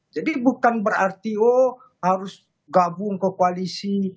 jadi bukan berarti oh harus gabung ke koalisi